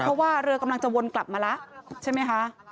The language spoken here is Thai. เพราะว่าเรือกำลังจะวนกลับมาแล้วใช่ไหมคะ